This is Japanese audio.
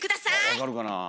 分かるかなあ。